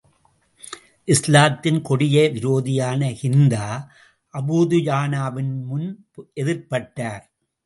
இஸ்லாத்தின் கொடிய விரோதியான, ஹிந்தா அபூ துஜானாவின் முன் எதிர்ப்பட்டார்.